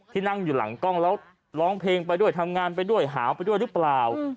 นั่งอยู่หลังกล้องแล้วร้องเพลงไปด้วยทำงานไปด้วยหาวไปด้วยหรือเปล่า